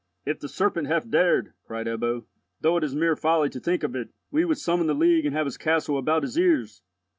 "If the serpent hath dared," cried Ebbo, "though it is mere folly to think of it, we would summon the League and have his castle about his ears!